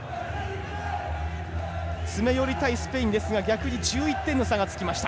詰め寄りたいスペインですが逆に１１点の差がつきました。